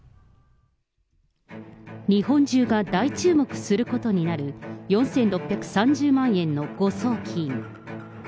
日本中が大注目することになる、４６３０万円の誤送金。